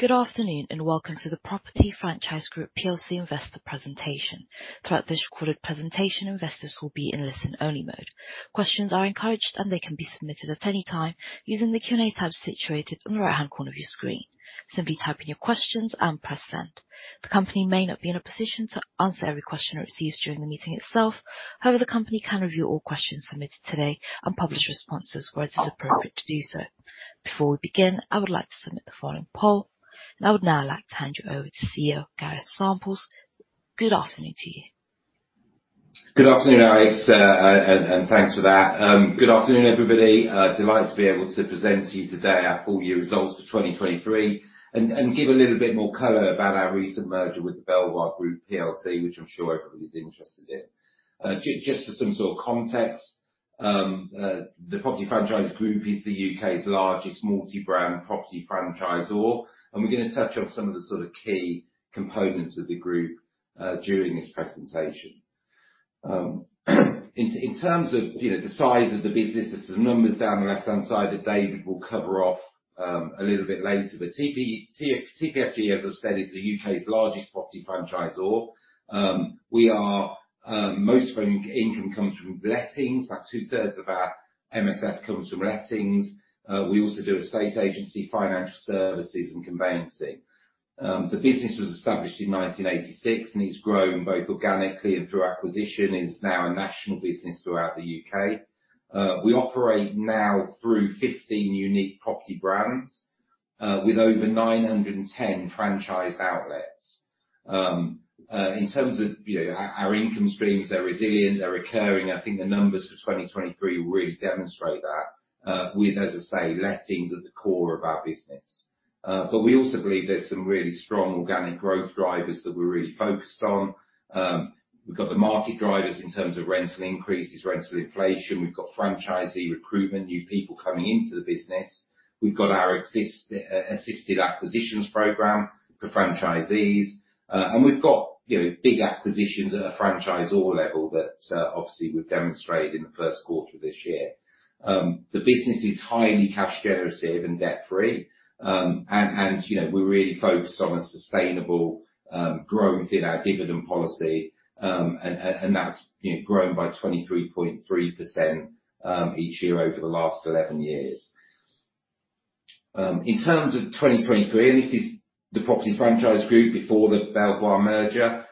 Good afternoon and welcome to The Property Franchise Group PLC Investor Presentation. Throughout this recorded presentation, investors will be in listen-only mode. Questions are encouraged, and they can be submitted at any time using the Q&A tabs situated on the right-hand corner of your screen. Simply type in your questions and press send. The company may not be in a position to answer every question it receives during the meeting itself; however, the company can review all questions submitted today and publish responses where it is appropriate to do so. Before we begin, I would like to submit the following poll, and I would now like to hand you over to CEO Gareth Samples. Good afternoon to you. Good afternoon, Alex, and thanks for that. Good afternoon, everybody. Delighted to be able to present to you today our full year results for 2023 and give a little bit more color about our recent merger with the Belvoir Group PLC, which I'm sure everybody's interested in. Just for some sort of context, the Property Franchise Group is the U.K.'s largest multi-brand property franchisor, and we're going to touch on some of the sort of key components of the group during this presentation. In terms of the size of the business, there's some numbers down the left-hand side that David will cover off a little bit later. But TPFG, as I've said, is the U.K.'s largest property franchisor. Most of our income comes from lettings. About two-thirds of our MSF comes from lettings. We also do estate agency, financial services, and conveyancing. The business was established in 1986, and it's grown both organically and through acquisition. It's now a national business throughout the U.K. We operate now through 15 unique property brands with over 910 franchise outlets. In terms of our income streams, they're resilient. They're occurring. I think the numbers for 2023 really demonstrate that, with, as I say, lettings at the core of our business. But we also believe there's some really strong organic growth drivers that we're really focused on. We've got the market drivers in terms of rental increases, rental inflation. We've got franchisee recruitment, new people coming into the business. We've got our assisted acquisitions program for franchisees. And we've got big acquisitions at a franchisor level that, obviously, we've demonstrated in the first quarter of this year. The business is highly cash-generative and debt-free, and we're really focused on a sustainable growth in our dividend policy, and that's grown by 23.3% each year over the last 11 years. In terms of 2023, and this is the Property Franchise Group before the Belvoir merger,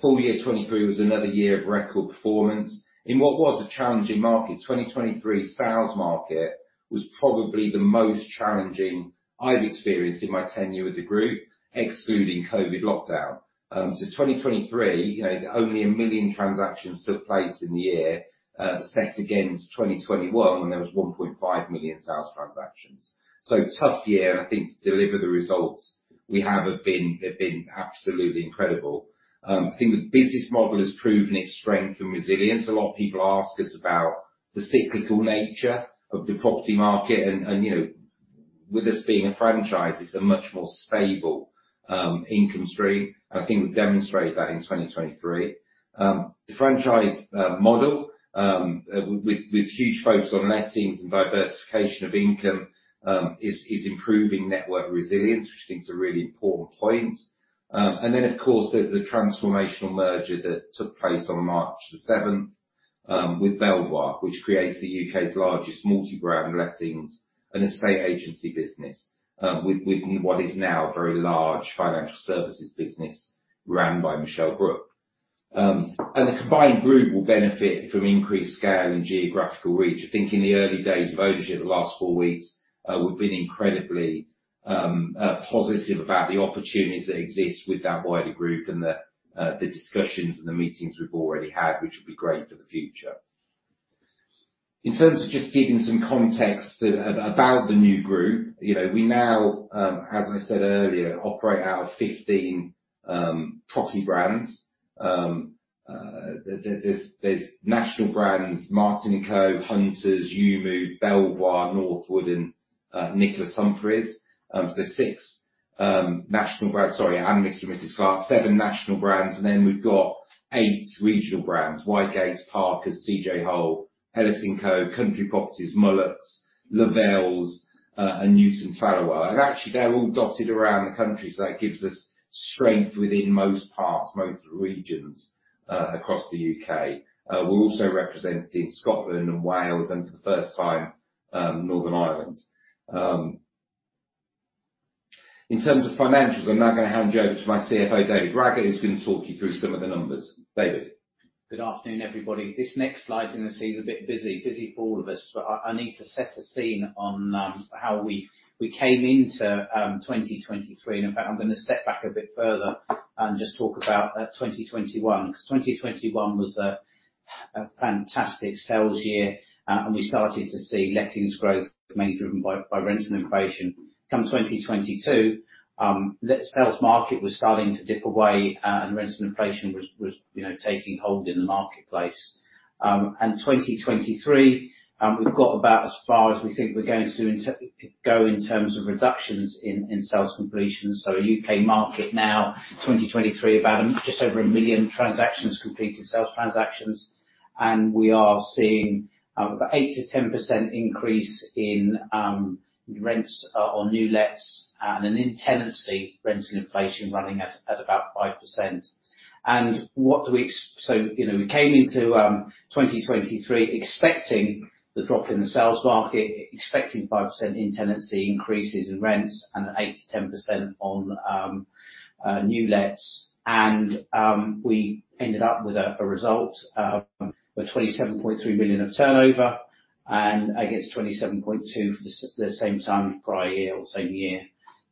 full year 2023 was another year of record performance. In what was a challenging market, 2023's sales market was probably the most challenging I've experienced in my tenure with the group, excluding COVID lockdown. So 2023, only 1 million transactions took place in the year set against 2021, when there was 1.5 million sales transactions. So tough year, and I think to deliver the results we have been absolutely incredible. I think the business model has proven its strength and resilience. A lot of people ask us about the cyclical nature of the property market, and with us being a franchise, it's a much more stable income stream. I think we've demonstrated that in 2023. The franchise model, with huge focus on lettings and diversification of income, is improving network resilience, which I think is a really important point. Then, of course, there's the transformational merger that took place on March the 7th with Belvoir, which creates the U.K.'s largest multi-brand lettings and estate agency business within what is now a very large financial services business run by Michelle Brook. The combined group will benefit from increased scale and geographical reach. I think in the early days of ownership, the last 4 weeks, we've been incredibly positive about the opportunities that exist with that wider group and the discussions and the meetings we've already had, which will be great for the future. In terms of just giving some context about the new group, we now, as I said earlier, operate out of 15 property brands. There's national brands: Martin & Co, Hunters, EweMove, Belvoir, Northwood, and Nicholas Humphreys. So there's 6 national brands, sorry, and Mr and Mrs Clarke, 7 national brands, and then we've got 8 regional brands: Whitegates, Parkers, CJ Hole, Ellis & Co, Country Properties, Mullucks, Lovelle, and Newton Fallowell. And actually, they're all dotted around the country, so that gives us strength within most parts, most regions across the U.K. We're also representing Scotland and Wales and, for the first time, Northern Ireland. In terms of financials, I'm now going to hand you over to my CFO, David Raggett, who's going to talk you through some of the numbers. David. Good afternoon, everybody. This next slide, you're going to see, is a bit busy, busy for all of us, but I need to set a scene on how we came into 2023. In fact, I'm going to step back a bit further and just talk about 2021 because 2021 was a fantastic sales year, and we started to see lettings growth mainly driven by rental inflation. Come 2022, the sales market was starting to dip away, and rental inflation was taking hold in the marketplace. 2023, we've got about as far as we think we're going to go in terms of reductions in sales completions. So, the U.K. market now, 2023, just over 1 million transactions completed, sales transactions, and we are seeing about 8%-10% increase in rents on new lets and an in-tenancy rental inflation running at about 5%. We came into 2023 expecting the drop in the sales market, expecting 5% in-tenancy increases in rents and 8%-10% on new lets. We ended up with a result of 27.3 million of turnover against 27.2 million for the same time prior year, same year.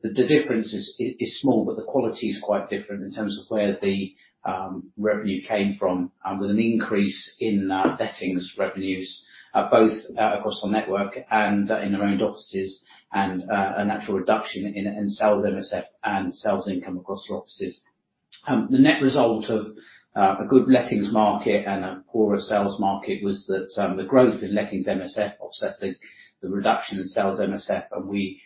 The difference is small, but the quality is quite different in terms of where the revenue came from, with an increase in lettings revenues both across our network and in our own offices and a natural reduction in sales MSF and sales income across our offices. The net result of a good lettings market and a poorer sales market was that the growth in lettings MSF offset the reduction in sales MSF, and we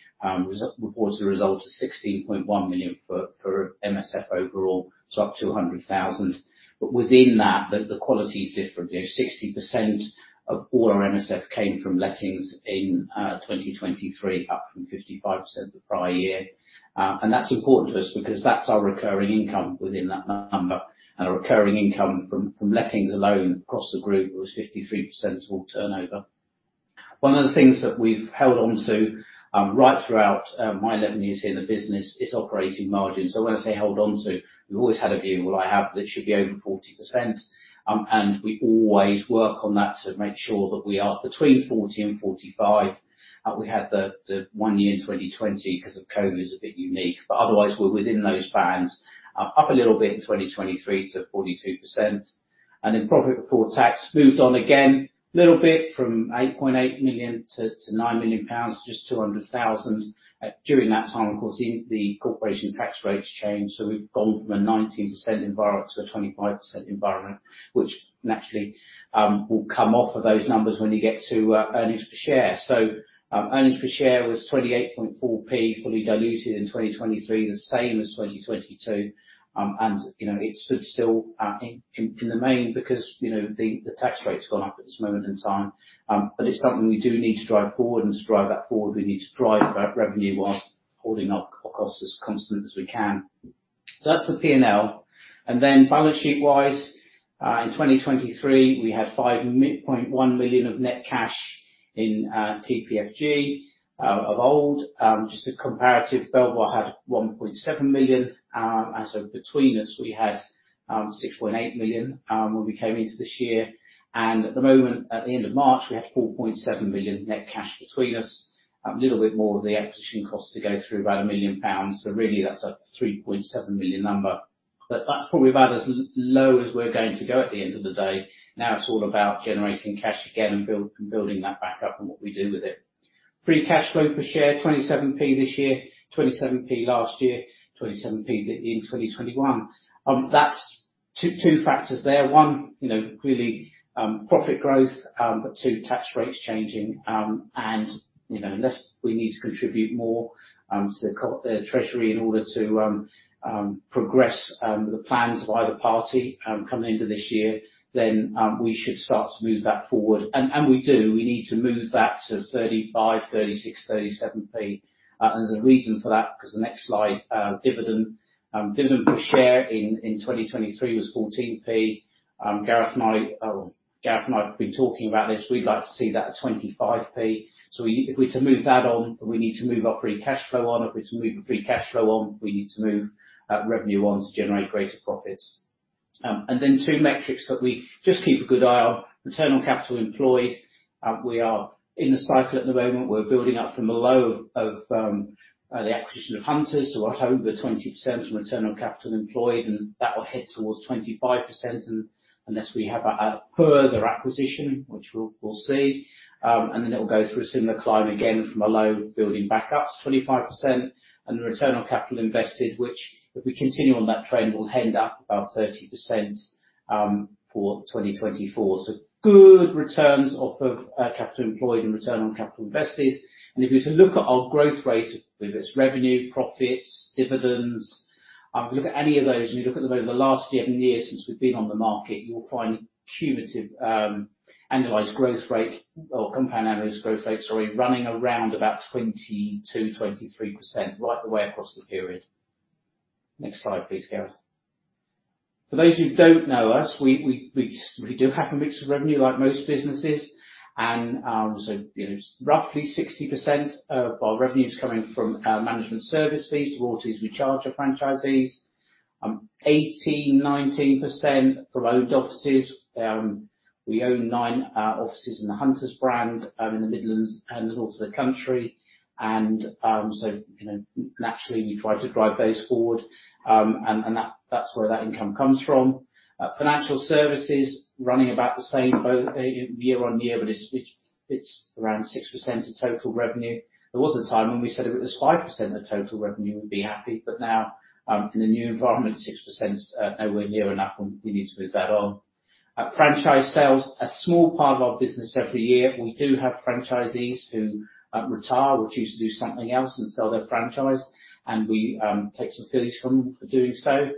reported a result of 16.1 million for MSF overall, up 100,000. But within that, the quality is different. 60% of all our MSF came from lettings in 2023, up from 55% the prior year. That's important to us because that's our recurring income within that number. Our recurring income from lettings alone across the group was 53% of all turnover. One of the things that we've held onto right throughout my 11 years here in the business is operating margins. So when I say hold onto, we've always had a view, "Well, I have that should be over 40%," and we always work on that to make sure that we are between 40%-45%. We had the one year in 2020 because of COVID was a bit unique, but otherwise, we're within those bands, up a little bit in 2023 to 42%. And then profit before tax moved on again a little bit from 8.8 million to 9 million pounds, just 200,000. During that time, of course, the corporation tax rates changed, so we've gone from a 19% environment to a 25% environment, which naturally will come off of those numbers when you get to earnings per share. So earnings per share was 28.4P, fully diluted in 2023, the same as 2022. And it stood still in the main because the tax rate's gone up at this moment in time. But it's something we do need to drive forward, and to drive that forward, we need to drive revenue whilst holding our costs as constant as we can. So that's the P&L. And then balance sheet-wise, in 2023, we had 5.1 million of net cash in TPFG of old. Just a comparative, Belvoir had 1.7 million. And so between us, we had 6.8 million when we came into this year. And at the moment, at the end of March, we had 4.7 million net cash between us, a little bit more of the acquisition costs to go through, about 1 million pounds. So really, that's a 3.7 million number. But that's probably about as low as we're going to go at the end of the day. Now it's all about generating cash again and building that back up and what we do with it. Free cash flow per share, 27p this year, 27p last year, 27p in 2021. That's two factors there. One, clearly profit growth, but two, tax rates changing. And unless we need to contribute more to the Treasury in order to progress the plans of either party coming into this year, then we should start to move that forward. And we do. We need to move that to 35p, 36p, 37p. And there's a reason for that because the next slide, dividend. Dividend per share in 2023 was 14p. Gareth and I have been talking about this. We'd like to see that at 25p. So if we're to move that on, we need to move our free cash flow on. If we're to move the free cash flow on, we need to move revenue on to generate greater profits. And then two metrics that we just keep a good eye on: return on capital employed. We are in the cycle at the moment. We're building up from a low of the acquisition of Hunters, so we're at over 20% from return on capital employed, and that will head towards 25% unless we have a further acquisition, which we'll see. Then it will go through a similar climb again from a low, building back up to 25%. The return on capital invested, which if we continue on that trend, will end up about 30% for 2024. So good returns off of capital employed and return on capital invested. If you were to look at our growth rate, whether it's revenue, profits, dividends, if you look at any of those and you look at the last 7 years since we've been on the market, you'll find cumulative annualized growth rate or compound annualized growth rate, sorry, running around about 22%-23% right the way across the period. Next slide, please, Gareth. For those who don't know us, we do have a mix of revenue like most businesses. So roughly 60% of our revenue is coming from management service fees, royalties we charge our franchisees, 18%-19% from owned offices. We own 9 offices in the Hunters brand in the Midlands and the north of the country. So naturally, we try to drive those forward, and that's where that income comes from. Financial services running about the same year-on-year, but it's around 6% of total revenue. There was a time when we said if it was 5% of total revenue, we'd be happy. But now, in the new environment, 6%'s nowhere near enough, and we need to move that on. Franchise sales, a small part of our business every year. We do have franchisees who retire or choose to do something else and sell their franchise, and we take some fees from them for doing so.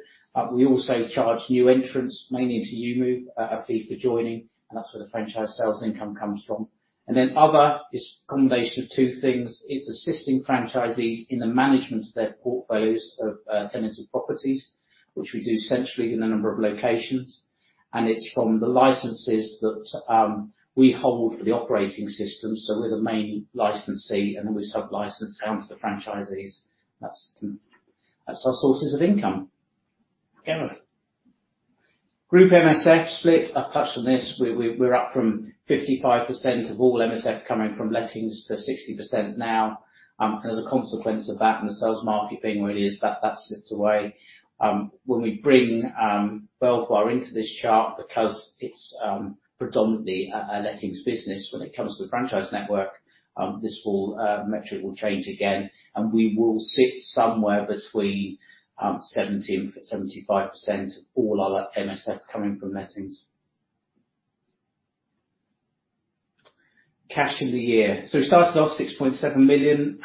We also charge new entrants, mainly into EweMove, a fee for joining, and that's where the franchise sales income comes from. And then other is a combination of two things. It's assisting franchisees in the management of their portfolios of tenancy properties, which we do centrally in a number of locations. And it's from the licenses that we hold for the operating systems. So we're the main licensee, and then we sub-license down to the franchisees. That's our sources of income. Gareth. Group MSF split, I've touched on this. We're up from 55% of all MSF coming from lettings to 60% now. And as a consequence of that and the sales market being where it is, that's slipped away. When we bring Belvoir into this chart because it's predominantly a lettings business when it comes to the franchise network, this whole metric will change again, and we will sit somewhere between 70%-75% of all our MSF coming from lettings. Cash in the year. So we started off 6.7 million.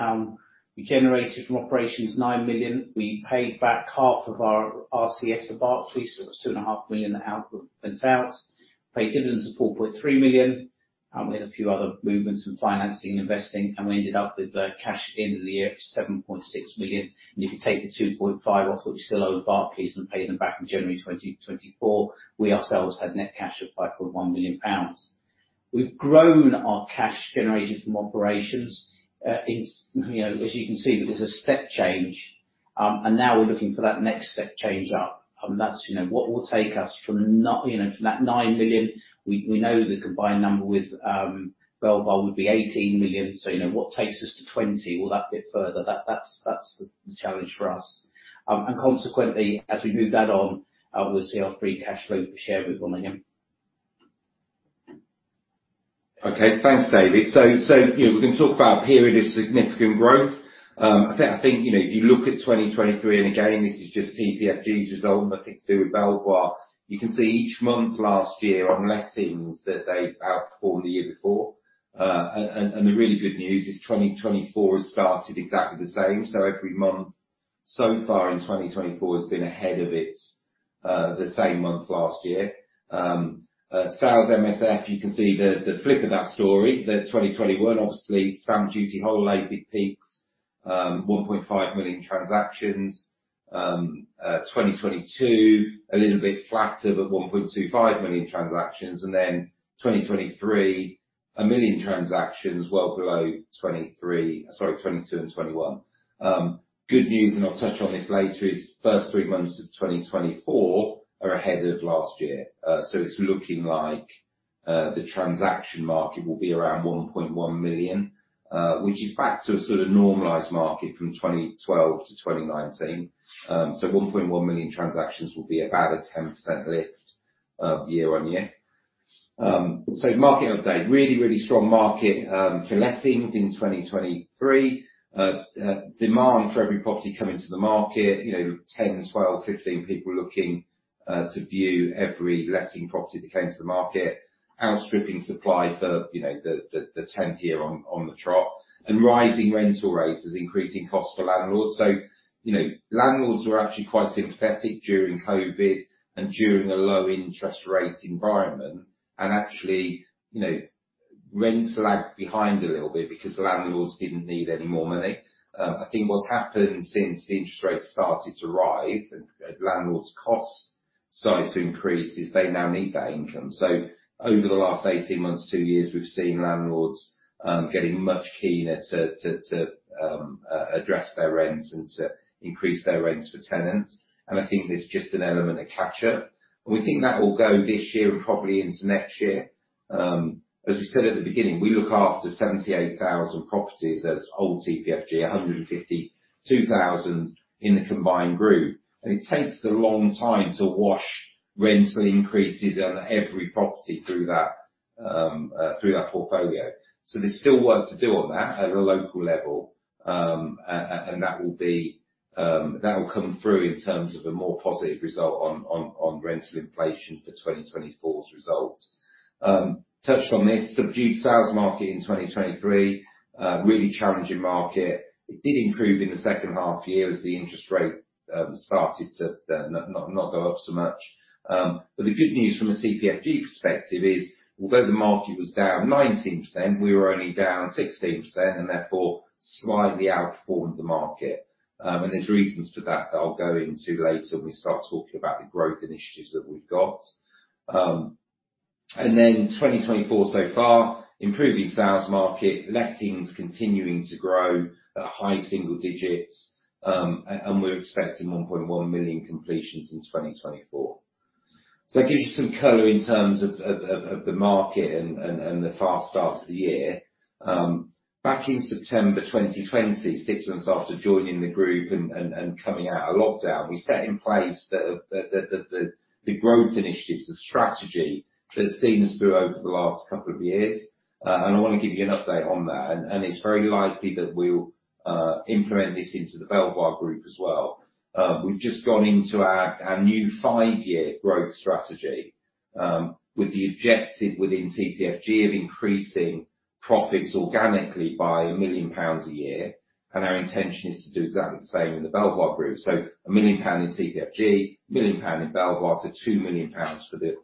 We generated from operations 9 million. We paid back half of our RCF to Barclays, so it was 2.5 million that went out. Paid dividends of 4.3 million. We had a few other movements and financing and investing, and we ended up with cash at the end of the year of 7.6 million. And if you take the 2.5 off what you still owe Barclays and pay them back in January 2024, we ourselves had net cash of 5.1 million pounds. We've grown our cash generated from operations. As you can see, there's a step change, and now we're looking for that next step change up. That's what will take us from that 9 million. We know the combined number with Belvoir would be 18 million. What takes us to 20 million, all that bit further, that's the challenge for us. Consequently, as we move that on, we'll see our free cash flow per share move on again. Okay. Thanks, David. So we're going to talk about period of significant growth. I think if you look at 2023, and again, this is just TPFG's result and nothing to do with Belvoir, you can see each month last year on lettings that they outperformed the year before. And the really good news is 2024 has started exactly the same. So every month so far in 2024 has been ahead of the same month last year. Sales MSF, you can see the flip of that story. The 2021, obviously, stamp duty holiday peaks, 1.5 million transactions. 2022, a little bit flatter but 1.25 million transactions. And then 2023, a million transactions, well below 2023 sorry, 2022 and 2021. Good news, and I'll touch on this later, is first three months of 2024 are ahead of last year. It's looking like the transaction market will be around 1.1 million, which is back to a sort of normalized market from 2012 to 2019. So 1.1 million transactions will be about a 10% lift year-on-year. So market update, really, really strong market for lettings in 2023. Demand for every property coming to the market, 10, 12, 15 people looking to view every letting property that came to the market, outstripping supply for the 10th year on the chart, and rising rental rates, increasing cost for landlords. So landlords were actually quite sympathetic during COVID and during a low-interest rate environment and actually rent lagged behind a little bit because landlords didn't need any more money. I think what's happened since the interest rates started to rise and landlords' costs started to increase is they now need that income. So over the last 18 months, 2 years, we've seen landlords getting much keener to address their rents and to increase their rents for tenants. And I think there's just an element of catch-up. And we think that will go this year and probably into next year. As we said at the beginning, we look after 78,000 properties as old TPFG, 152,000 in the combined group. And it takes a long time to wash rental increases on every property through that portfolio. So there's still work to do on that at a local level, and that will be that will come through in terms of a more positive result on rental inflation for 2024's results. Touched on this, subdued sales market in 2023, really challenging market. It did improve in the second half year as the interest rate started to not go up so much. But the good news from a TPFG perspective is, although the market was down 19%, we were only down 16% and therefore slightly outperformed the market. And there's reasons for that that I'll go into later when we start talking about the growth initiatives that we've got. And then 2024 so far, improving sales market, lettings continuing to grow at high single digits, and we're expecting 1.1 million completions in 2024. So that gives you some color in terms of the market and the fast start to the year. Back in September 2020, six months after joining the group and coming out of lockdown, we set in place the growth initiatives, the strategy that's seen us through over the last couple of years. And I want to give you an update on that. And it's very likely that we'll implement this into the Belvoir group as well. We've just gone into our new five-year growth strategy with the objective within TPFG of increasing profits organically by 1 million pounds a year. Our intention is to do exactly the same in the Belvoir group. So 1 million pound in TPFG, 1 million pound in Belvoir, so 2 million pounds for the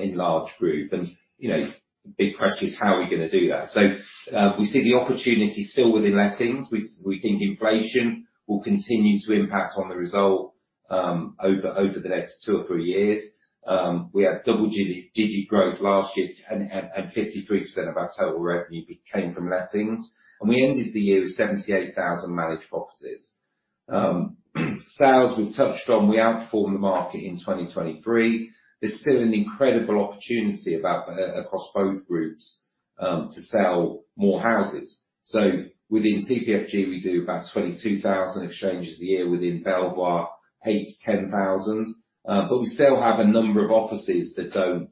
enlarged group. And the big question is how are we going to do that? So we see the opportunity still within lettings. We think inflation will continue to impact on the result over the next two or three years. We had double-digit growth last year, and 53% of our total revenue came from lettings. And we ended the year with 78,000 managed properties. Sales, we've touched on, we outperformed the market in 2023. There's still an incredible opportunity across both groups to sell more houses. So within TPFG, we do about 22,000 exchanges a year. Within Belvoir, 8,000-10,000. But we still have a number of offices that don't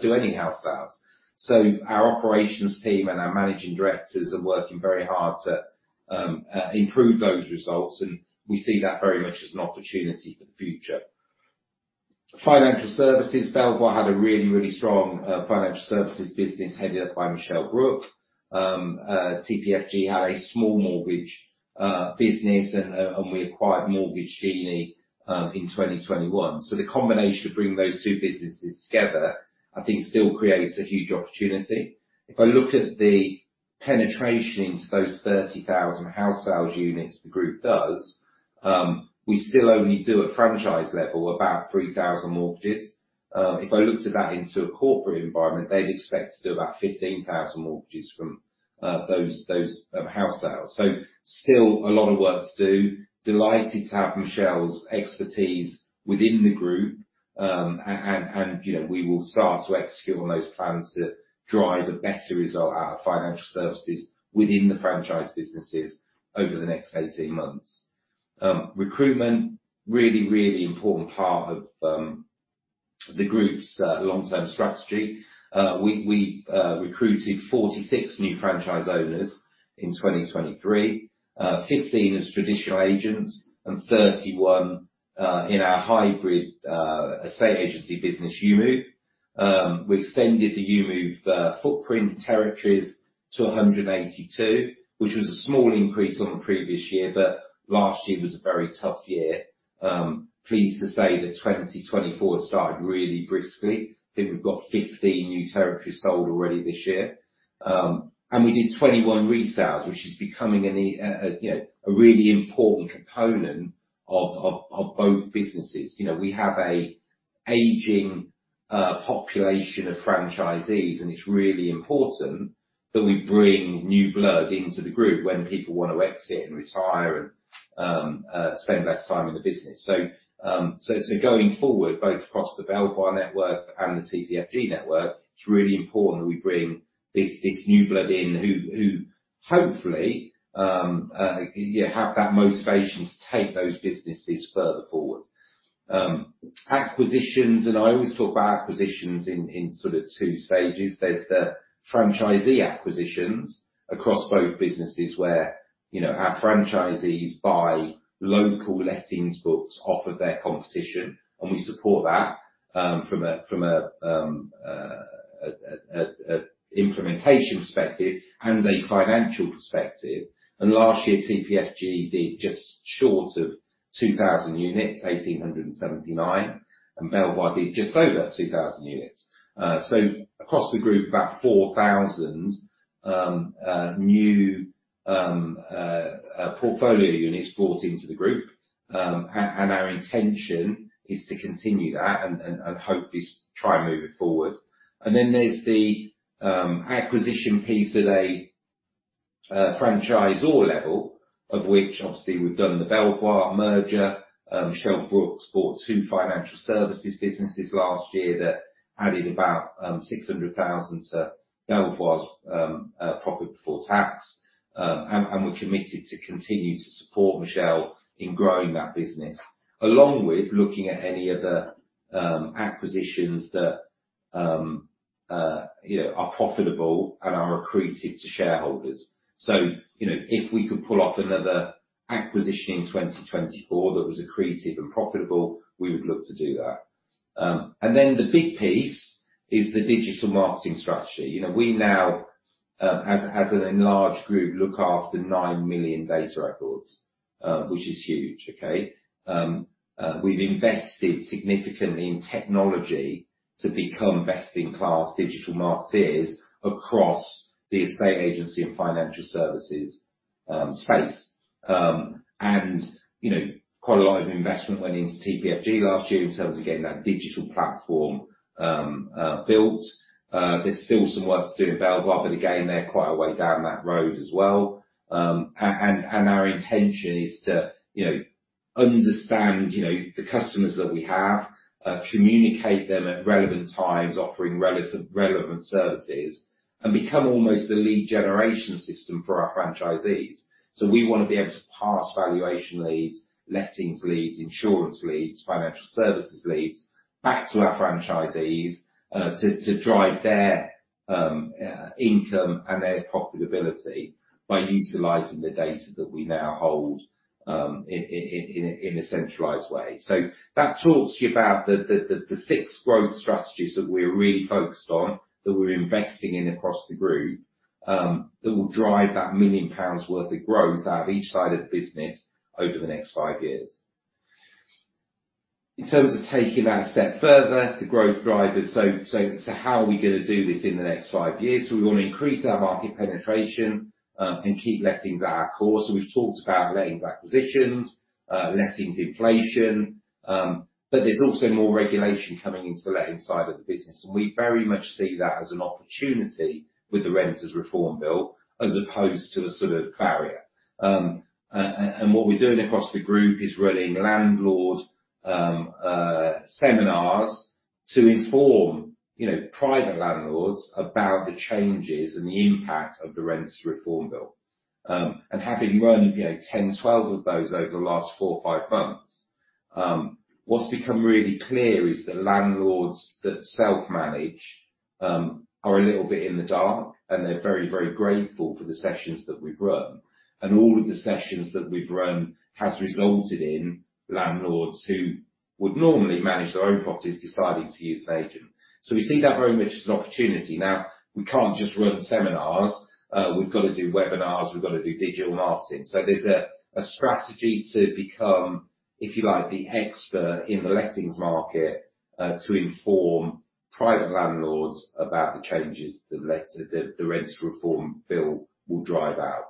do any house sales. So our operations team and our managing directors are working very hard to improve those results. And we see that very much as an opportunity for the future. Financial services, Belvoir had a really, really strong financial services business headed up by Michelle Brook. TPFG had a small mortgage business, and we acquired Mortgage Genie in 2021. So the combination of bringing those two businesses together, I think, still creates a huge opportunity. If I look at the penetration into those 30,000 house sales units the group does, we still only do at franchise level about 3,000 mortgages. If I looked at that into a corporate environment, they'd expect to do about 15,000 mortgages from those house sales. So still a lot of work to do. Delighted to have Michelle's expertise within the group. We will start to execute on those plans to drive a better result out of financial services within the franchise businesses over the next 18 months. Recruitment, really, really important part of the group's long-term strategy. We recruited 46 new franchise owners in 2023, 15 as traditional agents, and 31 in our hybrid estate agency business, EweMove. We extended the EweMove footprint territories to 182, which was a small increase on the previous year, but last year was a very tough year. Pleased to say that 2024 started really briskly. I think we've got 15 new territories sold already this year. We did 21 resales, which is becoming a really important component of both businesses. We have an aging population of franchisees, and it's really important that we bring new blood into the group when people want to exit and retire and spend less time in the business. So going forward, both across the Belvoir network and the TPFG network, it's really important that we bring this new blood in who hopefully have that motivation to take those businesses further forward. Acquisitions, and I always talk about acquisitions in sort of two stages. There's the franchisee acquisitions across both businesses where our franchisees buy local lettings books off of their competition, and we support that from an implementation perspective and a financial perspective. And last year, TPFG did just short of 2,000 units, 1,879, and Belvoir did just over 2,000 units. So across the group, about 4,000 new portfolio units brought into the group. Our intention is to continue that and hopefully try and move it forward. And then there's the acquisition piece at a franchisor level, of which, obviously, we've done the Belvoir merger. Michelle Brook's bought two financial services businesses last year that added about 600,000 to Belvoir's profit before tax. And we're committed to continue to support Michelle in growing that business, along with looking at any other acquisitions that are profitable and are accretive to shareholders. So if we could pull off another acquisition in 2024 that was accretive and profitable, we would look to do that. And then the big piece is the digital marketing strategy. We now, as an enlarged group, look after 9 million data records, which is huge, okay? We've invested significantly in technology to become best-in-class digital marketeers across the estate agency and financial services space. Quite a lot of investment went into TPFG last year in terms of getting that digital platform built. There's still some work to do in Belvoir, but again, they're quite a way down that road as well. Our intention is to understand the customers that we have, communicate them at relevant times, offering relevant services, and become almost the lead generation system for our franchisees. We want to be able to pass valuation leads, lettings leads, insurance leads, financial services leads back to our franchisees to drive their income and their profitability by utilizing the data that we now hold in a centralized way. That talks to you about the six growth strategies that we're really focused on, that we're investing in across the group, that will drive that 1 million pounds worth of growth out of each side of the business over the next five years. In terms of taking that a step further, the growth drivers, so how are we going to do this in the next five years? So we want to increase our market penetration and keep lettings at our core. So we've talked about lettings acquisitions, lettings inflation. But there's also more regulation coming into the letting side of the business. And we very much see that as an opportunity with the Renters Reform Bill as opposed to a sort of barrier. And what we're doing across the group is running landlord seminars to inform private landlords about the changes and the impact of the Renters Reform Bill. And having run 10, 12 of those over the last four or five months, what's become really clear is that landlords that self-manage are a little bit in the dark, and they're very, very grateful for the sessions that we've run. All of the sessions that we've run have resulted in landlords who would normally manage their own properties deciding to use an agent. We see that very much as an opportunity. Now, we can't just run seminars. We've got to do webinars. We've got to do digital marketing. There's a strategy to become, if you like, the expert in the lettings market to inform private landlords about the changes that the Renters Reform Bill will drive out.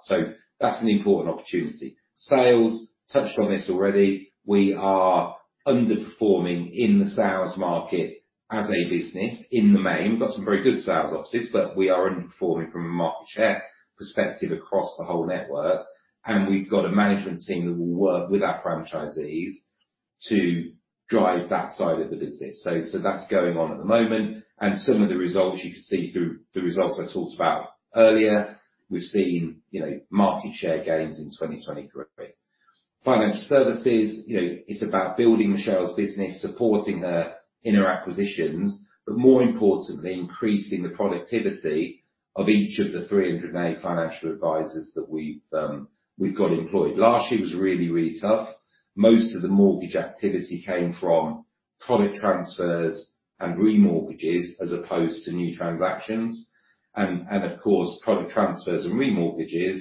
That's an important opportunity. Sales, touched on this already, we are underperforming in the sales market as a business in the main. We've got some very good sales offices, but we are underperforming from a market share perspective across the whole network. We've got a management team that will work with our franchisees to drive that side of the business. That's going on at the moment. Some of the results you could see through the results I talked about earlier, we've seen market share gains in 2023. Financial services, it's about building Michelle's business, supporting her in her acquisitions, but more importantly, increasing the productivity of each of the 308 financial advisors that we've got employed. Last year was really, really tough. Most of the mortgage activity came from product transfers and remortgages as opposed to new transactions. And of course, product transfers and remortgages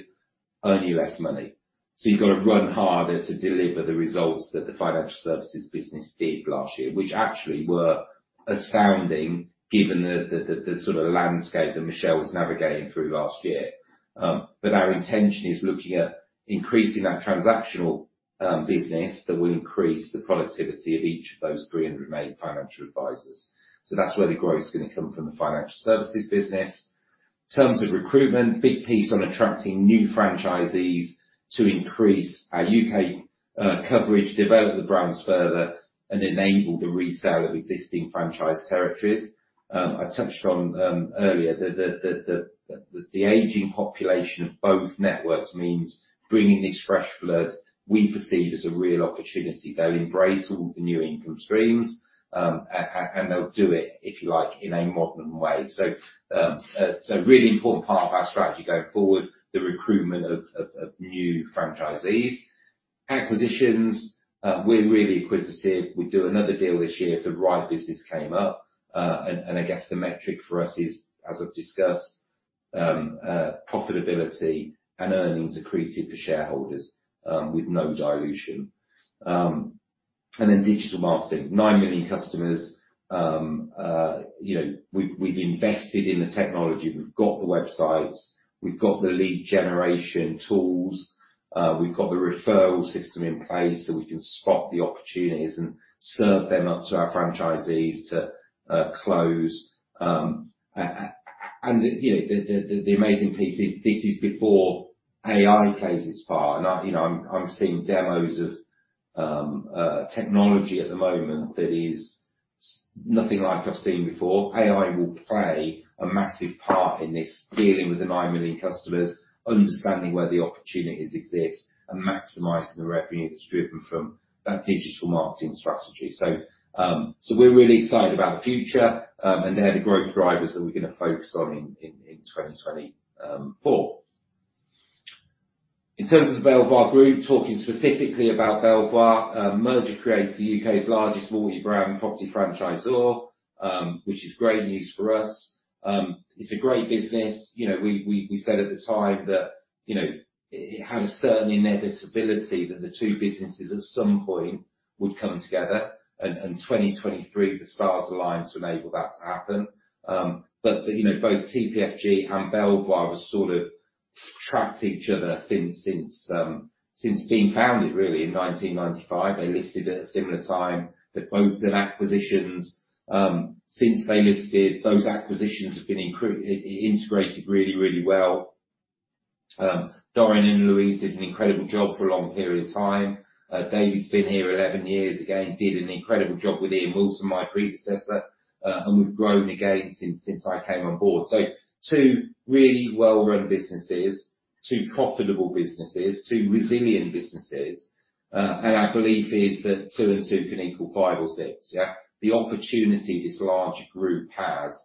earn you less money. So you've got to run harder to deliver the results that the financial services business did last year, which actually were astounding given the sort of landscape that Michelle was navigating through last year. But our intention is looking at increasing that transactional business that will increase the productivity of each of those 308 financial advisors. That's where the growth's going to come from the financial services business. In terms of recruitment, big piece on attracting new franchisees to increase our U.K. coverage, develop the brands further, and enable the resale of existing franchise territories. I touched on earlier that the aging population of both networks means bringing this fresh blood we perceive as a real opportunity. They'll embrace all the new income streams, and they'll do it, if you like, in a modern way. Really important part of our strategy going forward, the recruitment of new franchisees. Acquisitions, we're really acquisitive. We'd do another deal this year if the right business came up. I guess the metric for us is, as I've discussed, profitability and earnings accretive for shareholders with no dilution. Then digital marketing, nine million customers. We've invested in the technology. We've got the websites. We've got the lead generation tools. We've got the referral system in place so we can spot the opportunities and serve them up to our franchisees to close. And the amazing piece is this is before AI plays its part. And I'm seeing demos of technology at the moment that is nothing like I've seen before. AI will play a massive part in this dealing with the 9 million customers, understanding where the opportunities exist, and maximizing the revenue that's driven from that digital marketing strategy. So we're really excited about the future and the growth drivers that we're going to focus on in 2024. In terms of the Belvoir Group, talking specifically about Belvoir, merger creates the U.K.'s largest mortgage brand property franchisor, which is great news for us. It's a great business. We said at the time that it had a certain inevitability that the two businesses at some point would come together. And 2023, the stars aligned to enable that to happen. But both TPFG and Belvoir have sort of tracked each other since being founded, really, in 1995. They listed at a similar time. They've both done acquisitions. Since they listed, those acquisitions have been integrated really, really well. Dorian and Louise did an incredible job for a long period of time. David's been here 11 years. Again, did an incredible job with Ian Wilson, my predecessor. And we've grown again since I came on board. So two really well-run businesses, two profitable businesses, two resilient businesses. And our belief is that two and two can equal five or six, yeah? The opportunity this larger group has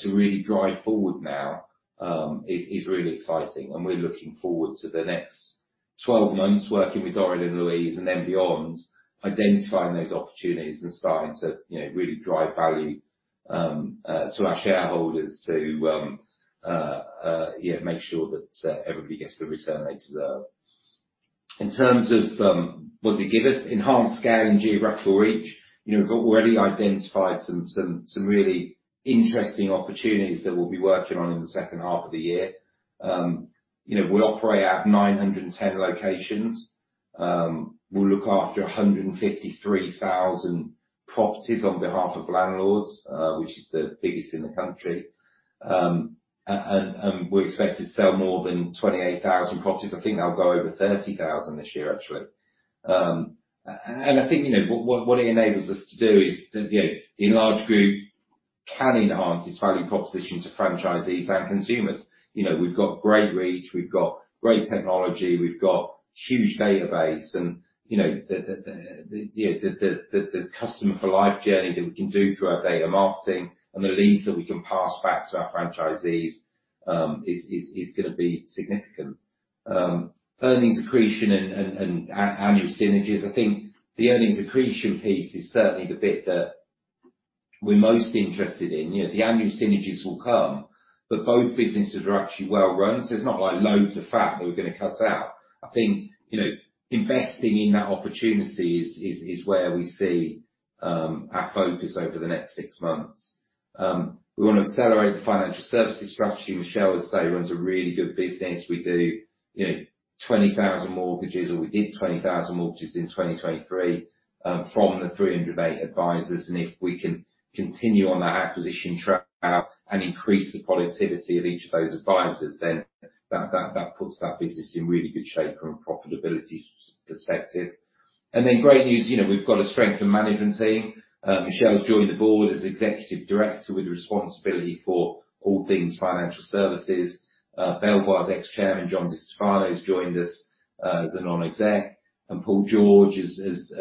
to really drive forward now is really exciting. We're looking forward to the next 12 months working with Dorian and Louise and then beyond, identifying those opportunities and starting to really drive value to our shareholders to make sure that everybody gets the return they deserve. In terms of what do they give us? Enhanced scale and geographical reach. We've already identified some really interesting opportunities that we'll be working on in the second half of the year. We operate out of 910 locations. We'll look after 153,000 properties on behalf of landlords, which is the biggest in the country. We're expected to sell more than 28,000 properties. I think they'll go over 30,000 this year, actually. I think what it enables us to do is that the enlarged group can enhance its value proposition to franchisees and consumers. We've got great reach. We've got great technology. We've got a huge database. The customer-for-life journey that we can do through our data marketing and the leads that we can pass back to our franchisees is going to be significant. Earnings accretion and annual synergies. I think the earnings accretion piece is certainly the bit that we're most interested in. The annual synergies will come, but both businesses are actually well-run, so it's not like loads of fat that we're going to cut out. I think investing in that opportunity is where we see our focus over the next six months. We want to accelerate the financial services strategy. Michelle, as I say, runs a really good business. We do 20,000 mortgages, or we did 20,000 mortgages in 2023 from the 308 advisors. And if we can continue on that acquisition trail and increase the productivity of each of those advisors, then that puts that business in really good shape from a profitability perspective. And then great news, we've got a strengthened management team. Michelle's joined the board as Executive Director with responsibility for all things financial services. Belvoir's ex-chairman, John DiStefano, has joined us as a non-exec. And Paul George has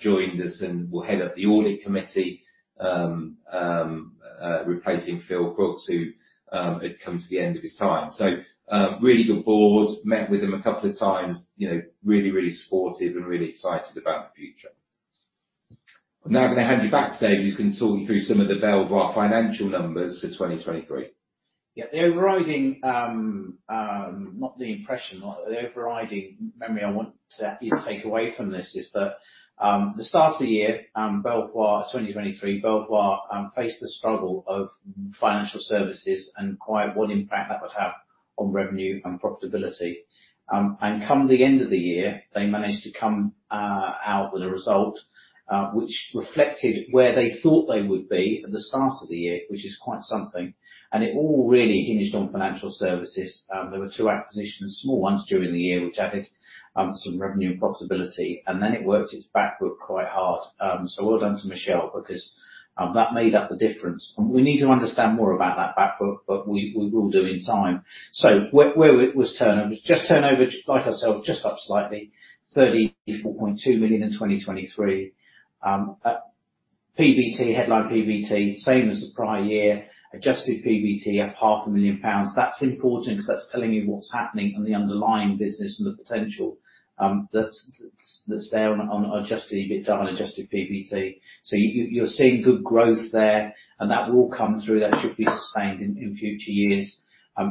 joined us and will head up the audit committee, replacing Phil Crooks, who had come to the end of his time. So really good board. Met with him a couple of times. Really, really supportive and really excited about the future. I'm now going to hand you back to David, who's going to talk you through some of the Belvoir financial numbers for 2023. Yeah. The overriding not the impression. The overriding memory I want you to take away from this is that the start of the year, Belvoir 2023, Belvoir faced the struggle of financial services and quite what impact that would have on revenue and profitability. And come the end of the year, they managed to come out with a result which reflected where they thought they would be at the start of the year, which is quite something. And it all really hinged on financial services. There were two acquisitions, small ones during the year, which added some revenue and profitability. And then Belvoir worked quite hard. So well done to Michelle because that made up the difference. And we need to understand more about that Belvoir, but we will do in time. So Belvoir's turnover was just turnover, like ourselves, just up slightly, 34.2 million in 2023. Headline PBT, same as the prior year, adjusted PBT, 500,000 pounds. That's important because that's telling you what's happening and the underlying business and the potential that's there on adjusted EBITDA and adjusted PBT. So you're seeing good growth there, and that will come through. That should be sustained in future years.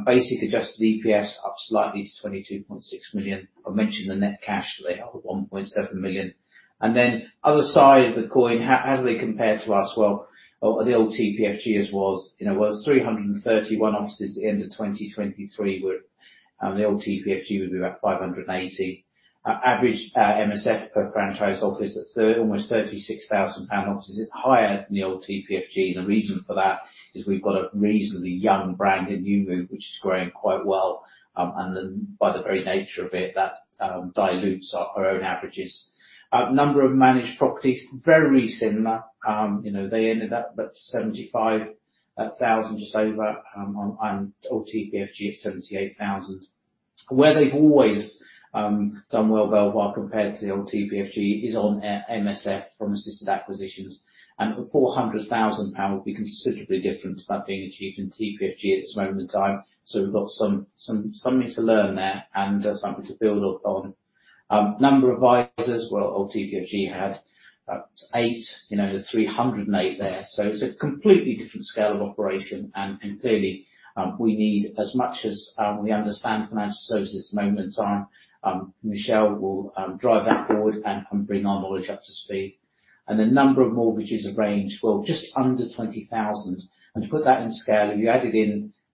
Basic adjusted EPS up slightly to 22.6 million. I mentioned the net cash today, 1.7 million. And then other side of the coin, how do they compare to us? Well, the old TPFG as was, it was 331 offices at the end of 2023. The old TPFG would be about 580. Average MSF per franchise office, almost 36,000 pound offices. It's higher than the old TPFG. And the reason for that is we've got a reasonably young brand in EweMove, which is growing quite well. And then by the very nature of it, that dilutes our own averages. Number of managed properties, very similar. They ended up at 75,000, just over, and old TPFG at 78,000. Where they've always done well Belvoir compared to the old TPFG is on MSF from assisted acquisitions. And 400,000 would be considerably different to that being achieved in TPFG at this moment in time. So we've got something to learn there and something to build upon. Number of advisors, well, old TPFG had about eight. There's 308 there. So it's a completely different scale of operation. And clearly, we need as much as we understand financial services at the moment in time. Michelle will drive that forward and bring our knowledge up to speed. And the number of mortgages have ranged, well, just under 20,000. To put that in scale, if you added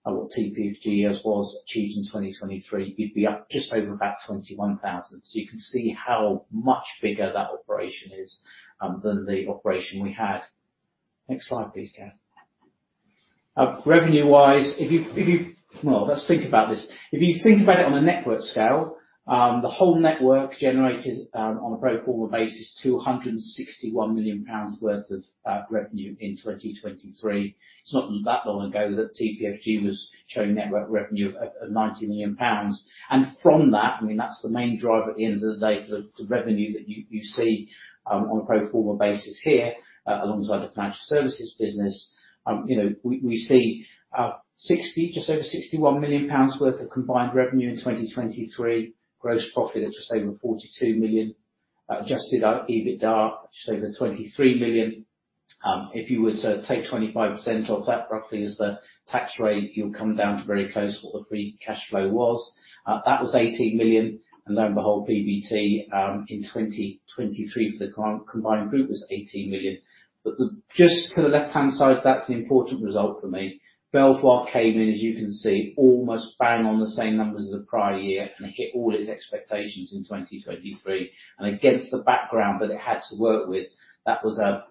in what TPFG as was achieved in 2023, you'd be up just over about 21,000. So you can see how much bigger that operation is than the operation we had. Next slide, please, Kath. Revenue-wise, if you well, let's think about this. If you think about it on a network scale, the whole network generated on a pro forma basis, 261 million pounds worth of revenue in 2023. It's not that long ago that TPFG was showing network revenue of 90 million pounds. And from that, I mean, that's the main drive at the end of the day for the revenue that you see on a pro forma basis here alongside the financial services business. We see just over GBP 61 million worth of combined revenue in 2023, gross profit at just over 42 million, adjusted EBITDA at just over 23 million. If you were to take 25% off that, roughly as the tax rate, you'll come down to very close to what the free cash flow was. That was 18 million. And lo and behold, PBT in 2023 for the combined group was 18 million. But just to the left-hand side, that's an important result for me. Belvoir came in, as you can see, almost bang on the same numbers as the prior year and hit all its expectations in 2023. And against the background that it had to work with, that was a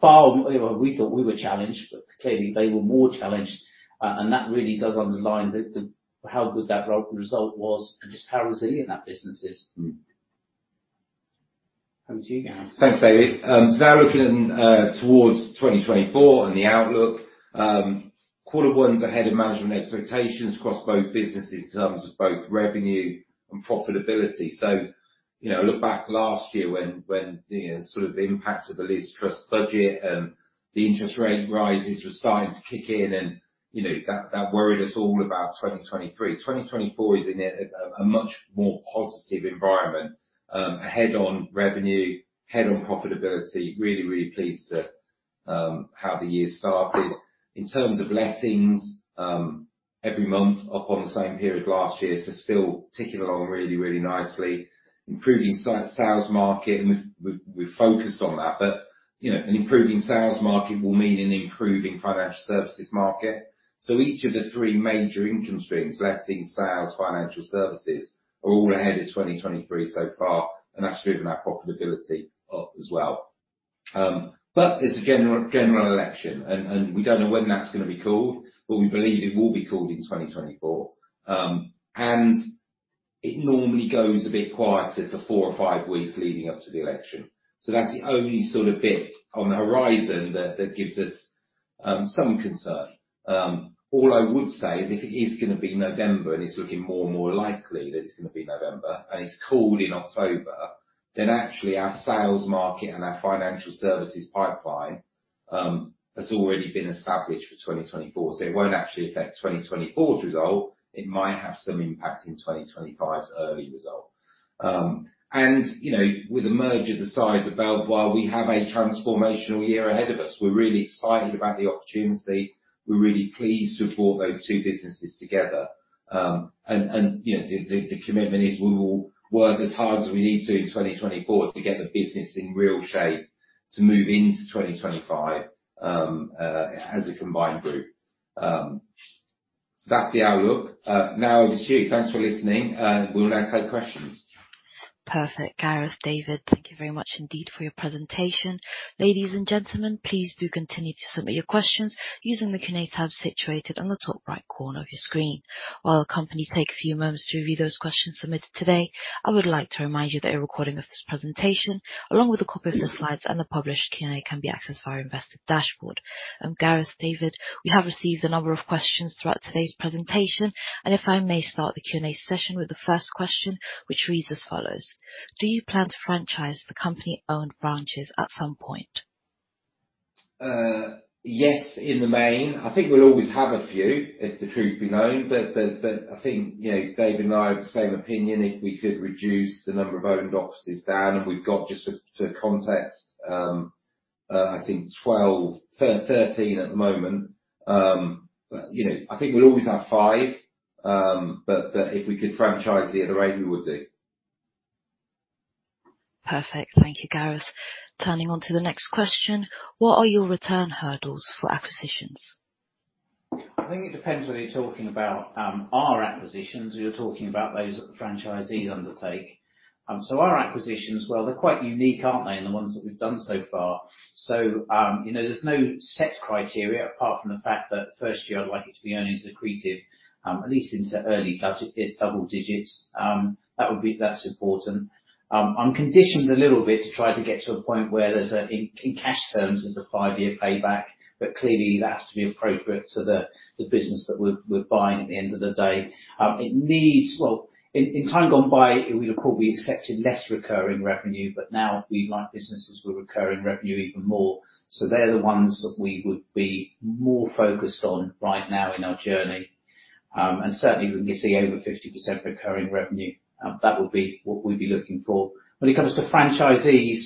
far we thought we were challenged, but clearly, they were more challenged. And that really does underline how good that result was and just how resilient that business is. Over to you, Gareth. Thanks, David. So now looking towards 2024 and the outlook, quarter one's ahead of management expectations across both businesses in terms of both revenue and profitability. So look back last year when sort of the impact of the Liz Truss budget and the interest rate rises were starting to kick in, and that worried us all about 2023. 2024 is in a much more positive environment, ahead on revenue, ahead on profitability, really, really pleased how the year started. In terms of lettings, every month up on the same period last year, so still ticking along really, really nicely, improving sales market, and we've focused on that. But an improving sales market will mean an improving financial services market. So each of the three major income streams, lettings, sales, financial services, are all ahead of 2023 so far, and that's driven our profitability up as well. But there's a general election, and we don't know when that's going to be called, but we believe it will be called in 2024. And it normally goes a bit quieter for four or five weeks leading up to the election. So that's the only sort of bit on the horizon that gives us some concern. All I would say is if it is going to be November and it's looking more and more likely that it's going to be November and it's called in October, then actually, our sales market and our financial services pipeline has already been established for 2024. So it won't actually affect 2024's result. It might have some impact in 2025's early result. And with the merger and the size of Belvoir, we have a transformational year ahead of us. We're really excited about the opportunity. We're really pleased to have brought those two businesses together. The commitment is we will work as hard as we need to in 2024 to get the business in real shape to move into 2025 as a combined group. That's the outlook. Now over to you. Thanks for listening. We'll now take questions. Perfect, Gareth, David. Thank you very much indeed for your presentation. Ladies and gentlemen, please do continue to submit your questions using the Q&A tab situated on the top right corner of your screen. While the company takes a few moments to review those questions submitted today, I would like to remind you that a recording of this presentation, along with a copy of the slides and the published Q&A, can be accessed via our invested dashboard. Gareth, David, we have received a number of questions throughout today's presentation. If I may start the Q&A session with the first question, which reads as follows: Do you plan to franchise the company-owned branches at some point? Yes, in the main. I think we'll always have a few, if the truth be known. I think David and I are of the same opinion. If we could reduce the number of owned offices down and we've got just to context, I think 12, 13 at the moment. I think we'll always have 5, but if we could franchise the other 8, we would do. Perfect. Thank you, Gareth. Turning to the next question: What are your return hurdles for acquisitions? I think it depends whether you're talking about our acquisitions or you're talking about those that franchisees undertake. Our acquisitions, well, they're quite unique, aren't they, in the ones that we've done so far? So there's no set criteria apart from the fact that first year, I'd like it to be earnings accretive, at least into early double digits. That's important. I'm conditioned a little bit to try to get to a point where there's a in cash terms, there's a 5-year payback, but clearly, that has to be appropriate to the business that we're buying at the end of the day. Well, in time gone by, we'd have probably accepted less recurring revenue, but now we'd like businesses with recurring revenue even more. So they're the ones that we would be more focused on right now in our journey. And certainly, we can see over 50% recurring revenue. That would be what we'd be looking for. When it comes to franchisees,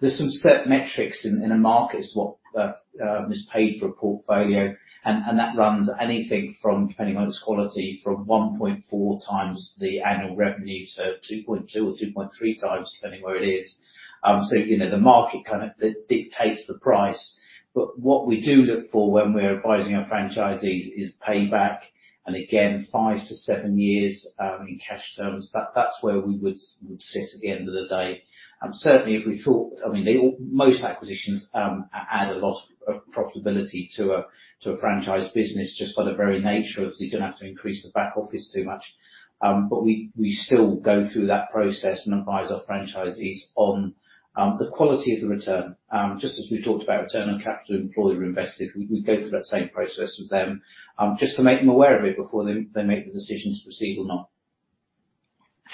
there's some set metrics in a market as to what is paid for a portfolio, and that runs anything from, depending on its quality, from 1.4x the annual revenue to 2.2x or 2.3x, depending where it is. So the market kind of dictates the price. But what we do look for when we're advising our franchisees is payback and, again, 5-7 years in cash terms. That's where we would sit at the end of the day. Certainly, if we thought, I mean, most acquisitions add a lot of profitability to a franchise business just by the very nature of it. You're going to have to increase the back office too much. But we still go through that process and advise our franchisees on the quality of the return. Just as we've talked about return on capital employed invested, we go through that same process with them just to make them aware of it before they make the decision to proceed or not.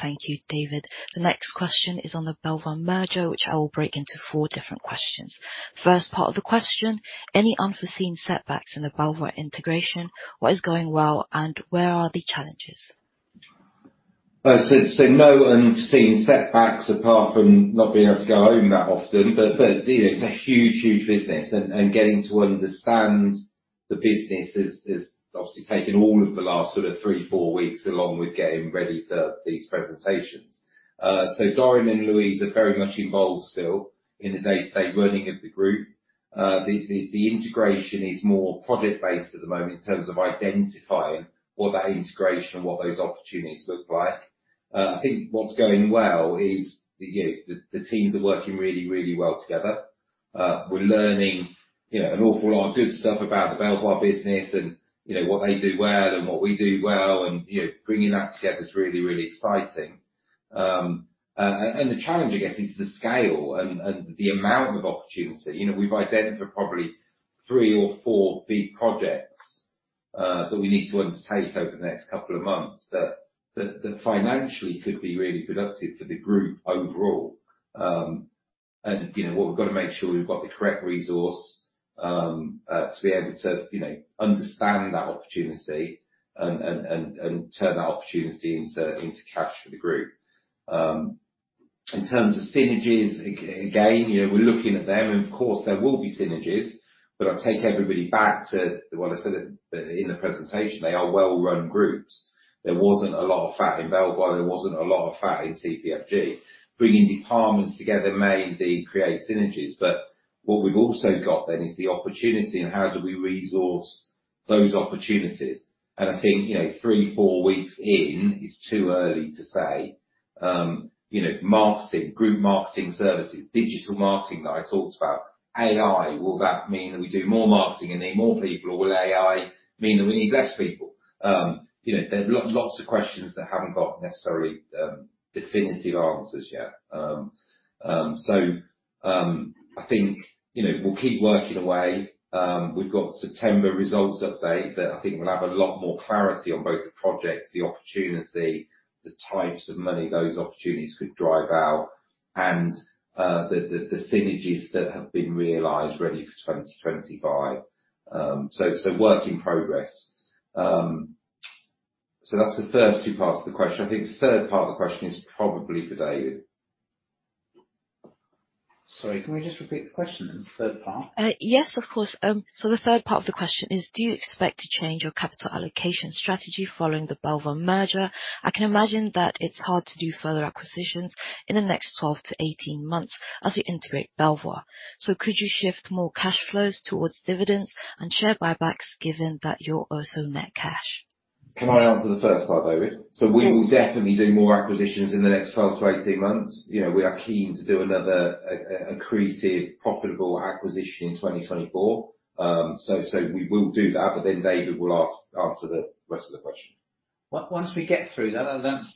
Thank you, David. The next question is on the Belvoir merger, which I will break into 4 different questions. First part of the question: Any unforeseen setbacks in the Belvoir integration? What is going well, and where are the challenges? So no unforeseen setbacks apart from not being able to go home that often. But it's a huge, huge business. And getting to understand the business has obviously taken all of the last sort of 3-4 weeks along with getting ready for these presentations. So Dorian and Louise are very much involved still in the day-to-day running of the group. The integration is more project-based at the moment in terms of identifying what that integration and what those opportunities look like. I think what's going well is the teams are working really, really well together. We're learning an awful lot of good stuff about the Belvoir business and what they do well and what we do well, and bringing that together is really, really exciting. The challenge, I guess, is the scale and the amount of opportunity. We've identified probably three or four big projects that we need to undertake over the next couple of months that financially could be really productive for the group overall. What we've got to make sure we've got the correct resource to be able to understand that opportunity and turn that opportunity into cash for the group. In terms of synergies, again, we're looking at them. Of course, there will be synergies, but I take everybody back to what I said in the presentation. They are well-run groups. There wasn't a lot of fat in Belvoir. There wasn't a lot of fat in TPFG. Bringing departments together may indeed create synergies. But what we've also got then is the opportunity, and how do we resource those opportunities? And I think 3, 4 weeks in is too early to say. Group marketing services, digital marketing that I talked about, AI, will that mean that we do more marketing and need more people, or will AI mean that we need less people? There are lots of questions that haven't got necessarily definitive answers yet. So I think we'll keep working away. We've got September results update that I think will have a lot more clarity on both the projects, the opportunity, the types of money those opportunities could drive out, and the synergies that have been realized ready for 2025. So work in progress. So that's the first two parts of the question. I think the third part of the question is probably for David. Sorry, can we just repeat the question then, the third part? Yes, of course. So the third part of the question is: Do you expect to change your capital allocation strategy following the Belvoir merger? I can imagine that it's hard to do further acquisitions in the next 12-18 months as we integrate Belvoir. So could you shift more cash flows towards dividends and share buybacks given that you're also net cash? Can I answer the first part, David? So we will definitely do more acquisitions in the next 12-18 months. We are keen to do another accretive, profitable acquisition in 2024. So we will do that, but then David will answer the rest of the question. Once we get through that, then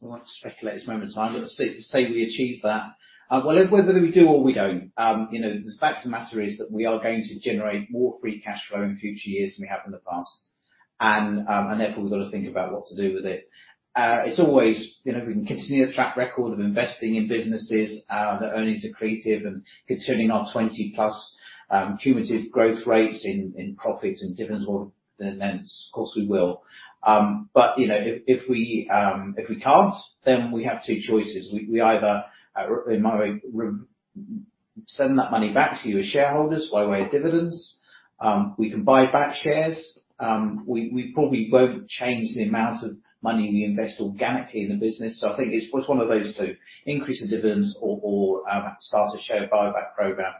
we won't speculate as moment in time. But say we achieve that, well, whether we do or we don't, the fact of the matter is that we are going to generate more free cash flow in future years than we have in the past, and therefore, we've got to think about what to do with it. It's always we can continue the track record of investing in businesses that earnings accretive and continuing our 20+ cumulative growth rates in profits and dividends more than immense. Of course, we will. But if we can't, then we have two choices. We either, in my way, send that money back to you as shareholders by way of dividends. We can buy back shares. We probably won't change the amount of money we invest organically in the business. So I think it's one of those two: increase the dividends or start a share buyback program.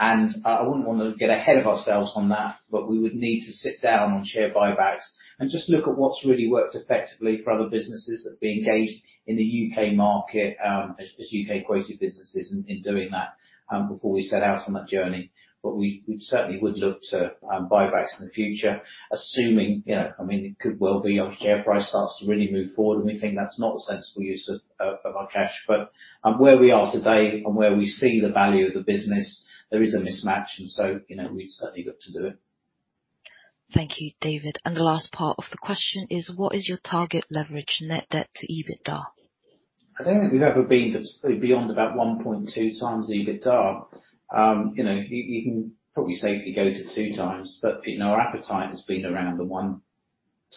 And I wouldn't want to get ahead of ourselves on that, but we would need to sit down on share buybacks and just look at what's really worked effectively for other businesses that've been engaged in the U.K. market as U.K.-accretive businesses in doing that before we set out on that journey. But we certainly would look to buybacks in the future, assuming I mean, it could well be our share price starts to really move forward, and we think that's not a sensible use of our cash. But where we are today and where we see the value of the business, there is a mismatch, and so we'd certainly look to do it. Thank you, David. And the last part of the question is: What is your target leverage, net debt to EBITDA? I don't think we've ever been beyond about 1.2x EBITDA. You can probably safely go to 2x, but our appetite has been around the 1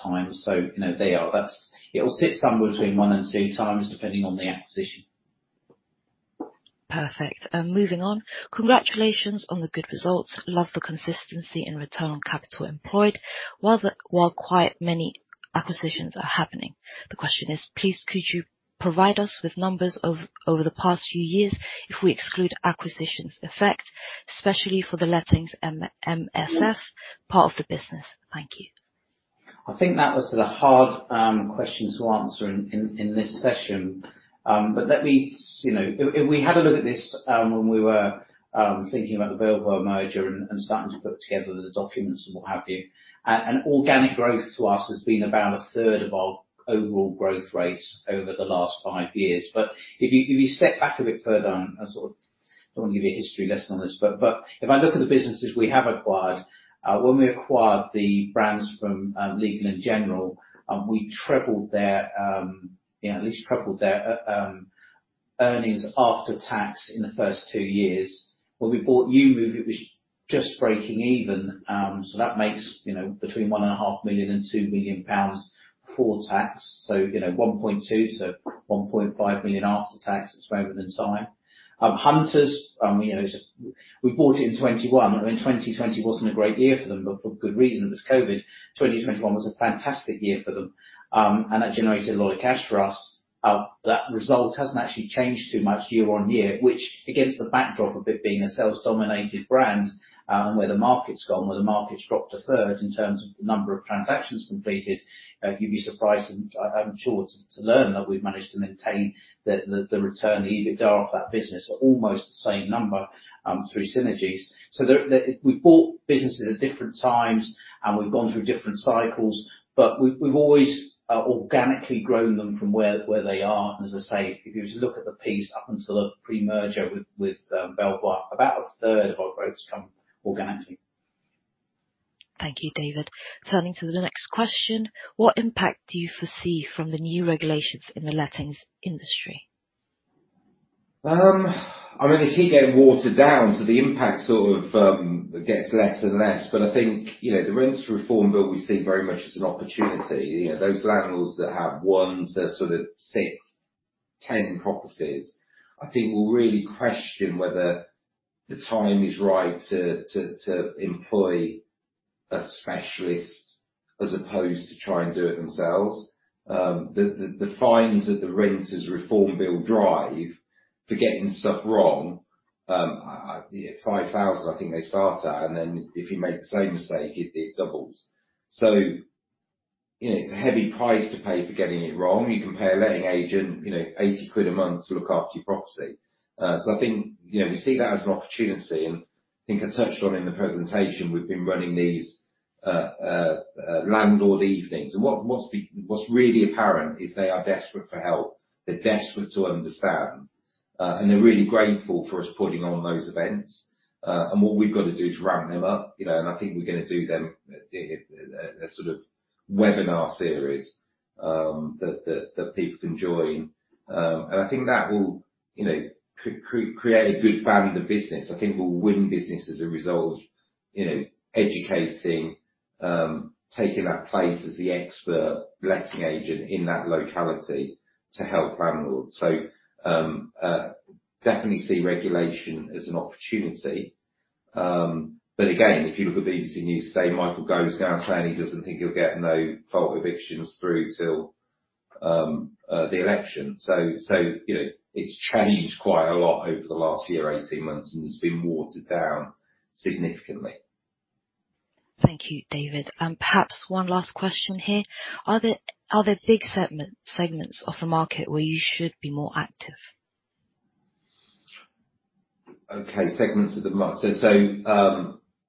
time. So they are. It'll sit somewhere between 1x and 2x depending on the acquisition. Perfect. Moving on. Congratulations on the good results. Love the consistency in return on capital employed while quite many acquisitions are happening. The question is: Please, could you provide us with numbers over the past few years if we exclude acquisitions' effect, especially for the lettings MSF part of the business? Thank you. I think that was a hard question to answer in this session. But let me if we had a look at this when we were thinking about the Belvoir merger and starting to put together the documents and what have you, an organic growth to us has been about a third of our overall growth rates over the last 5 years. But if you step back a bit further on sort of I don't want to give you a history lesson on this, but if I look at the businesses we have acquired, when we acquired the brands from Legal & General, we trebled their at least trebled their earnings after tax in the first 2 years. When we bought EweMove, it was just breaking even. So that makes between 1.5 million and 2 million pounds before tax. So 1.2 million-1.5 million after tax at the moment in time. Hunters, we bought it in 2021. I mean, 2020 wasn't a great year for them for good reason. It was COVID. 2021 was a fantastic year for them, and that generated a lot of cash for us. That result hasn't actually changed too much year-over-year, which against the backdrop of it being a sales-dominated brand and where the market's gone, where the market's dropped a third in terms of the number of transactions completed, you'd be surprised and I'm sure to learn that we've managed to maintain the return to EBITDA off that business at almost the same number through synergies. So we bought businesses at different times, and we've gone through different cycles, but we've always organically grown them from where they are. And as I say, if you were to look at the piece up until the pre-merger with Belvoir, about a third of our growth's come organically. Thank you, David. Turning to the next question: What impact do you foresee from the new regulations in the lettings industry? I mean, they keep getting watered down, so the impact sort of gets less and less. But I think the Renters Reform Bill we see very much as an opportunity. Those landlords that have 1 to sort of 6, 10 properties, I think will really question whether the time is right to employ a specialist as opposed to try and do it themselves. The fines that the Renters Reform Bill drive for getting stuff wrong 5,000, I think they start at, and then if you make the same mistake, it doubles. So it's a heavy price to pay for getting it wrong. You can pay a letting agent 80 quid a month to look after your property. So I think we see that as an opportunity. I think I touched on in the presentation, we've been running these landlord evenings. What's really apparent is they are desperate for help. They're desperate to understand, and they're really grateful for us putting on those events. What we've got to do is ramp them up. I think we're going to do them a sort of webinar series that people can join. I think that will create a good band of business. I think we'll win business as a result of educating, taking that place as the expert letting agent in that locality to help landlords. So definitely see regulation as an opportunity. But again, if you look at BBC News today, Michael Gove is now saying he doesn't think he'll get no fault evictions through till the election. So it's changed quite a lot over the last year, 18 months, and it's been watered down significantly. Thank you, David. Perhaps one last question here: Are there big segments of the market where you should be more active? Okay, segments of the market. So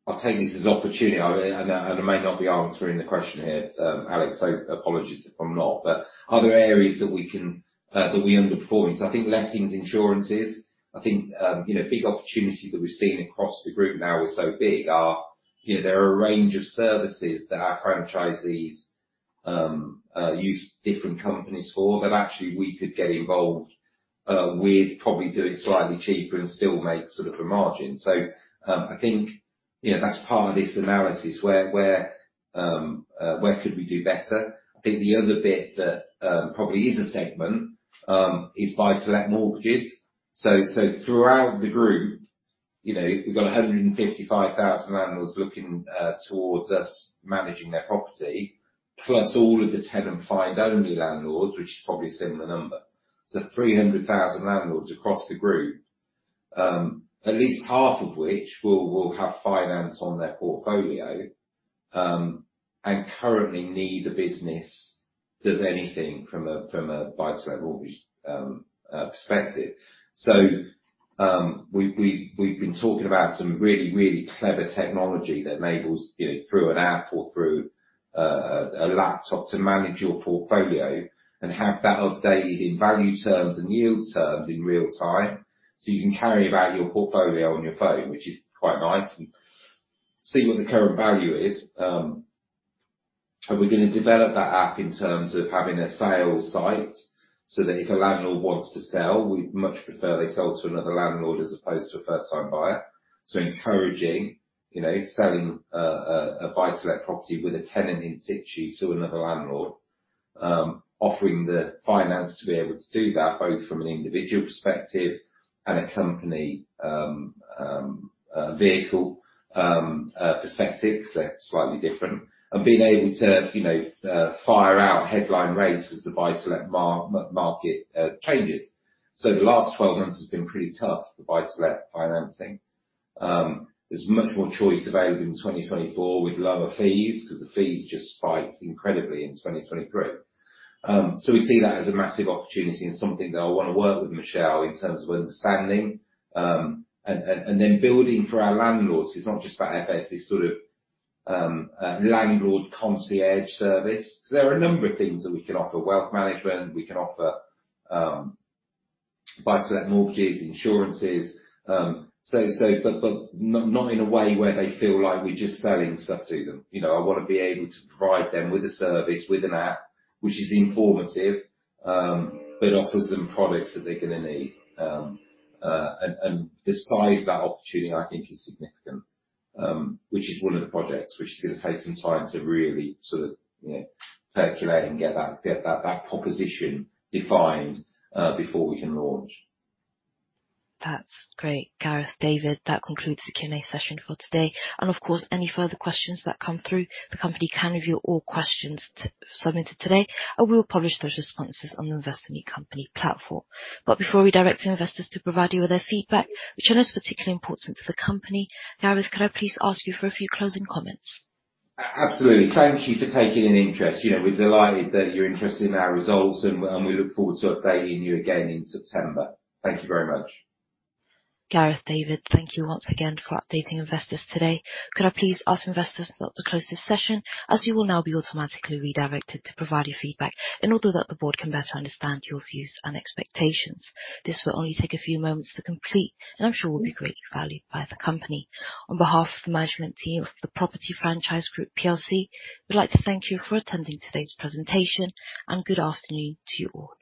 I'll take this as opportunity, and I may not be answering the question here, Alex. So apologies if I'm not. But are there areas that we can underperform in? So I think lettings insurances. I think big opportunity that we've seen across the group now is so big. Are there a range of services that our franchisees use different companies for that actually we could get involved with, probably do it slightly cheaper and still make sort of a margin. So I think that's part of this analysis: where could we do better? I think the other bit that probably is a segment is buy-to-let mortgages. So throughout the group, we've got 155,000 landlords looking towards us managing their property, plus all of the tenant-find-only landlords, which is probably a similar number. So 300,000 landlords across the group, at least half of which will have finance on their portfolio and currently need a business does anything from a buy-to-let mortgage perspective. So we've been talking about some really, really clever technology that enables, through an app or through a laptop, to manage your portfolio and have that updated in value terms and yield terms in real time so you can carry about your portfolio on your phone, which is quite nice, and see what the current value is. And we're going to develop that app in terms of having a sales site so that if a landlord wants to sell, we'd much prefer they sell to another landlord as opposed to a first-time buyer. So encouraging selling a buy-to-let property with a tenant in situ to another landlord, offering the finance to be able to do that both from an individual perspective and a company vehicle perspective, because that's slightly different, and being able to fire out headline rates as the buy-to-let market changes. So the last 12 months has been pretty tough for buy-to-let financing. There's much more choice available in 2024 with lower fees because the fees just spiked incredibly in 2023. So we see that as a massive opportunity and something that I want to work with Michelle in terms of understanding and then building for our landlords. It's not just about FS, this sort of landlord concierge service, because there are a number of things that we can offer. Wealth management. We can offer buy-to-let mortgages, insurances, but not in a way where they feel like we're just selling stuff to them. I want to be able to provide them with a service, with an app, which is informative but offers them products that they're going to need. And the size of that opportunity, I think, is significant, which is one of the projects, which is going to take some time to really sort of percolate and get that proposition defined before we can launch. That's great, Gareth. David, that concludes the Q&A session for today. And of course, any further questions that come through, the company can review all questions submitted today, and we will publish those responses on the Investor Meet Company platform. But before we direct investors to provide you with their feedback, which I know is particularly important to the company, Gareth, could I please ask you for a few closing comments? Absolutely. Thank you for taking an interest. We're delighted that you're interested in our results, and we look forward to updating you again in September. Thank you very much. Gareth, David, thank you once again for updating investors today. Could I please ask investors not to close this session, as you will now be automatically redirected to provide your feedback in order that the board can better understand your views and expectations? This will only take a few moments to complete, and I'm sure will be greatly valued by the company. On behalf of the management team of The Property Franchise Group PLC, we'd like to thank you for attending today's presentation, and good afternoon to you all.